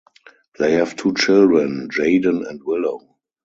They have two children, Jaden and Willow.